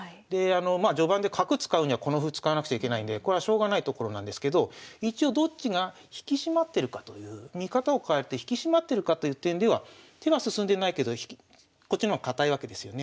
まあ序盤で角使うにはこの歩使わなくちゃいけないんでこれはしょうがないところなんですけど一応どっちが引き締まってるかという見方を変えて引き締まってるかという点では手は進んでないけどこっちの方が堅いわけですよね。